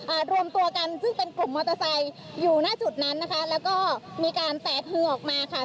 รวมตัวกันซึ่งเป็นกลุ่มมอเตอร์ไซค์อยู่หน้าจุดนั้นนะคะแล้วก็มีการแตกคือออกมาค่ะ